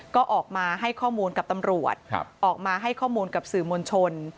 ก็ออกมาให้ข้อมูลกับตำรวจออกมาให้ข้อมูลกับสื่อมวลชน